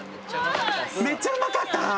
めっちゃうまかった？